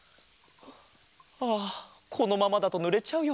ああこのままだとぬれちゃうよ。